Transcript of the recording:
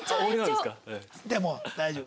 でも大丈夫。